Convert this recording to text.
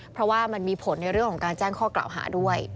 เพราะว่ามันมีผลในเรื่องของการแจ้งข้อกล่าวหาด้วย